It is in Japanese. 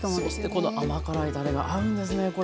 そして甘辛いたれが合うんですね